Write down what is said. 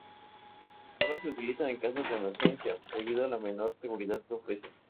Sólo se utilizan en casos de emergencia, debido a la menor seguridad que ofrecen.